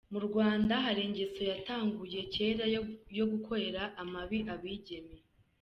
Mu Rwanda hari ingeso yatanguye kera yo gukorera amabi abigeme.